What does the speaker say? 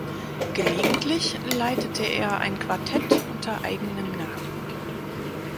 Gelegentlich leitete er ein Quartett unter eigenem Namen.